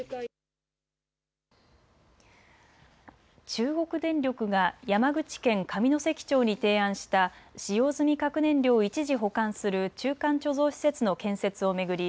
中国電力が山口県上関町に提案した使用済み核燃料を一時保管する中間貯蔵施設の建設を巡り